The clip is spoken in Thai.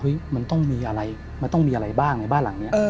มันต้องมีอะไรมันต้องมีอะไรบ้างในบ้านหลังนี้